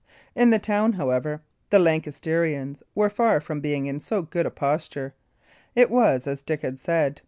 In the town, however, the Lancastrians were far from being in so good a posture. It was as Dick had said.